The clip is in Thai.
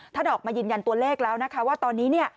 ท่านออกมายืนยันตัวเลขแล้วนะคะว่าตอนนี้